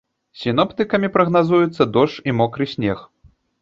Сіноптыкамі прагназуюцца дождж і мокры снег.